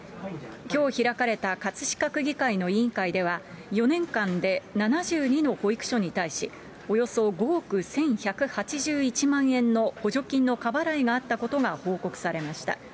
きょう開かれた葛飾区議会の委員会では、４年間で７２の保育所に対し、およそ５億１１８１万円の補助金の過払いがあったことが報告されました。